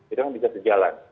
itu kan bisa berjalan